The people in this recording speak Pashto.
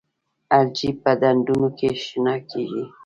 الجی په ډنډونو کې شنه کیږي